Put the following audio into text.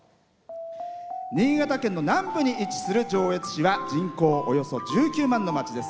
新潟県の南部に位置する上越市は人口およそ１９万の町です。